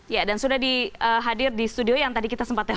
ya dan sudah hadir di studio yang tadi kita sempat dengar